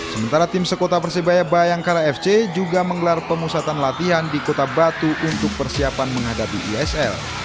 sementara tim sekota persebaya bayangkara fc juga menggelar pemusatan latihan di kota batu untuk persiapan menghadapi isl